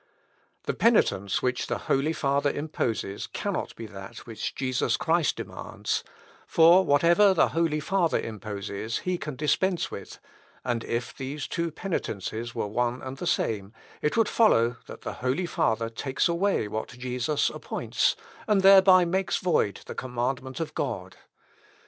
"The penitence which the holy father imposes cannot be that which Jesus Christ demands; for whatever the holy father imposes he can dispense with; and if these two penitences were one and the same, it would follow that the holy father takes away what Jesus appoints, and thereby makes void the commandment of God....